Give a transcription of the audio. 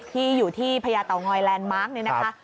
ที่อยู่ที่พญาเตางอยแลนด์มาร์คเนี่ยนะคะ